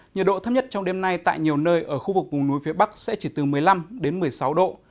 nhiệt độ thấp nhất trong đêm nay tại nhiều nơi ở khu vực vùng núi phía bắc sẽ chỉ từ một mươi năm đến một mươi sáu độ